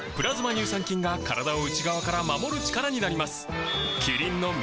乳酸菌が体を内側から守る力になります